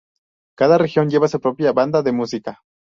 Cada región lleva su propia banda de música.